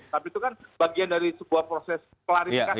tapi itu kan bagian dari sebuah proses klarifikasi